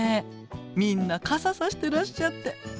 みんな傘差してらっしゃって。